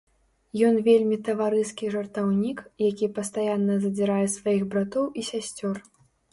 Ён вельмі таварыскі жартаўнік, які пастаянна задзірае сваіх братоў і сясцёр.